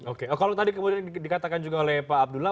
oke kalau tadi kemudian dikatakan juga oleh pak abdullah